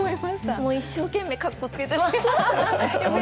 もう一生懸命かっこつけてます。